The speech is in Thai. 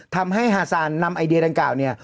ทำให้ฮาซานนำไอเดียดังกล่าวเนี่ย